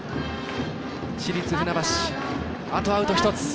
市立船橋、あとアウト１つ。